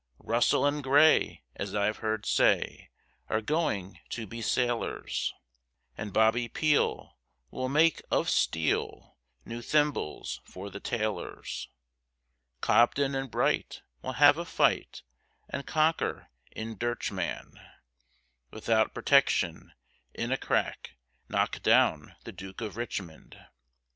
Russell and Grey, as I've heard say, are going to be sailors, And Bobby Peel will make, of steel, new thimbles for the tailors; Cobden and Bright will have a fight, and conquer in dirch man, Without protection, in a crack, knock down the Duke of Richmond.